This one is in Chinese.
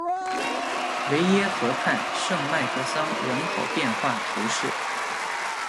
维耶河畔圣迈克桑人口变化图示